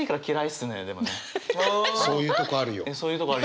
うんそういうとこあるよ。